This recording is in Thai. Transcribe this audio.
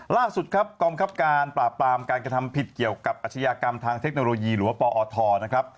ล่าสุดครับกองคับการปราบปรามการกระทำผิดเกี่ยวกับอาชญากรรมทางเทคโนโลยีหรือว่าปอทนะครับ